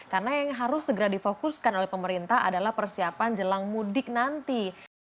karena yang harus segera difokuskan oleh pemerintah adalah persiapan jelang mudik nanti